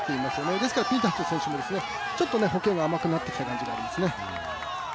ですからピンタード選手もちょっと歩型が甘くなってきた感じがありますね。